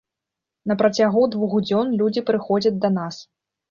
На працягу двух дзён людзі прыходзяць да нас.